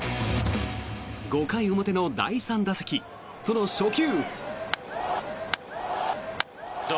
５回表の第３打席その初球。